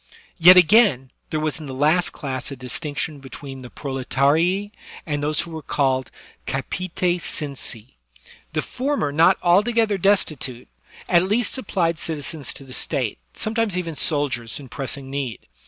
Yet again, there was in the last class a distinction between the proletarii and those who were called capite censi. The former not altogether destitute, at least sup plied citizens to the State, sometimes even soldiers in pressing need.